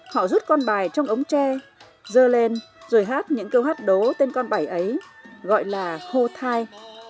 họ rút con bài trong ống tre dơ lên rồi hát những câu hát đố tên con bài ấy gọi là hô thai